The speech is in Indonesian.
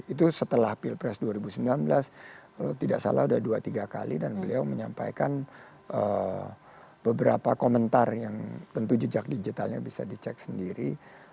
itu setelah pilpres dua ribu sembilan belas kalau tidak salah sudah dua tiga kali dan beliau menyampaikan beberapa komentar yang tentu jejak digitalnya bisa dicek sendiri